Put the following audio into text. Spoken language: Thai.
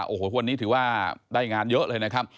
โอ้โหวันนี้ถือว่าได้งานเยอะเลยนะครับ